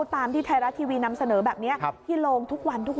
ตามที่ไทยรัฐทีวีนำเสนอแบบนี้ที่โรงทุกวันทุกวัน